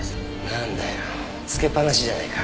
なんだよつけっぱなしじゃないか。